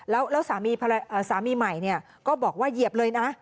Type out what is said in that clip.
แล้วสามีใหม่ก็บอกว่าเหยียบเลยนะ